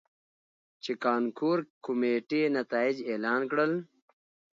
،چې کانکور کميټې نتايج اعلان کړل.